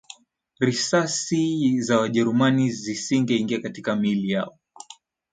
Risasi za Wajerumani zisingeingia katika miili yao